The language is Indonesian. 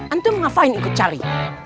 antum ngapain ikut cari